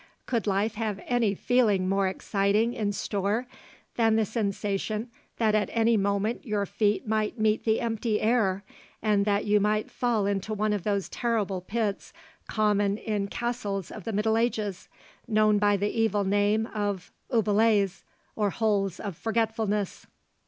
Could life have any feeling more exciting in store than the sensation that at any moment your feet might meet the empty air, and that you might fall into one of those terrible pits common in castles of the Middle Ages, known by the evil name of oubliettes or holes of forgetfulness?